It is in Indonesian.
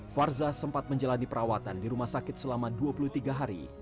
farza sempat menjalani perawatan di rumah sakit selama dua puluh tiga hari